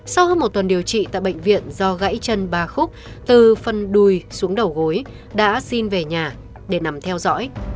sau hơn một tuần điều trị tại bệnh viện do gãy chân ba khúc từ phân đùi xuống đầu gối đã xin về nhà để nằm theo dõi